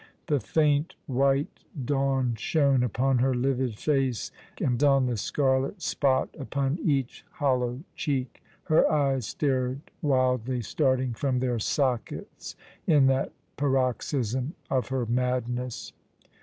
The faint white dawn shone uiDon her livid face and on the scarlet spot upon each hollow cheek. Her eyes stared wildly, starting from their sockets in that paroxysm of her madness.